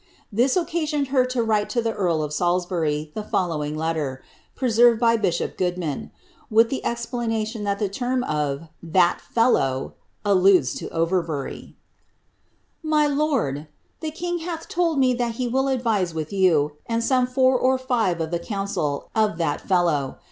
This occa sioned her to write to the earl of Salisbury the following letter,' (pre served by bishop Goodman,) with the explanation that the term of ^ that fellofi" alludes to Overbury: " My lurd, lli« king hath told me that he will advise with you, and aome other four or five of the council, of that ftUow.